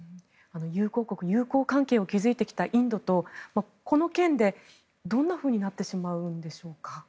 友好国、友好関係を築いてきたインドとこの件で、どんなふうになってしまうんでしょうか。